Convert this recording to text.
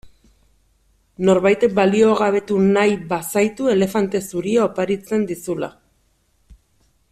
Norbaitek baliogabetu nahi bazaitu elefante zuria oparitzen dizula.